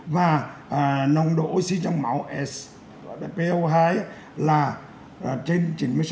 và nồng độ oxy trong máu po hai là trên chín mươi sáu